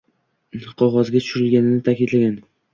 qog‘ozga tushirganini ta’kidlagan.